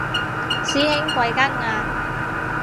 師兄貴庚啊